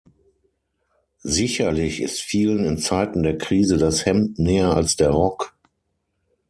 Sicherlich ist vielen in Zeiten der Krise das Hemd näher als der Rock.